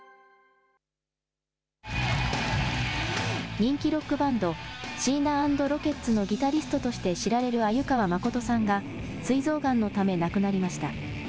人気ロックバンド、シーナ＆ロケッツのギタリストとして知られる鮎川誠さんが、すい臓がんのため亡くなりました。